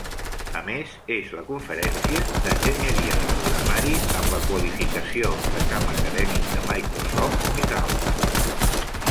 A més, és la conferència d'Enginyeria de programari amb la qualificació de camp acadèmic de Microsoft més alta.